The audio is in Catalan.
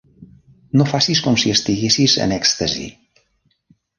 No facis com si estiguessis en èxtasi.